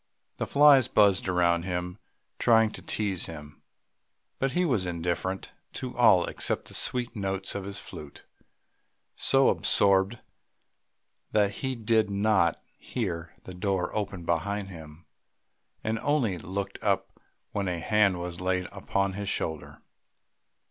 The flies buzzed around him trying to tease him, but he was indifferent to all except the sweet notes of his flute. So absorbed was he that he did not hear the door open behind him, and only looked up when a hand was laid upon his shoulder.